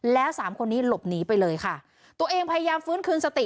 แล้วสามคนนี้หลบหนีไปเลยค่ะตัวเองพยายามฟื้นคืนสติ